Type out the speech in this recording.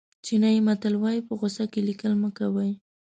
چینایي متل وایي په غوسه کې لیکل مه کوئ.